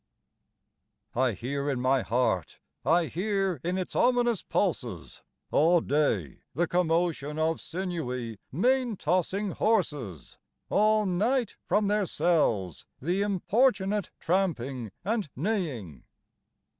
_I HEAR in my heart, I hear in its ominous pulses, All day, the commotion of sinewy, mane tossing horses; All night, from their cells, the importunate tramping and neighing.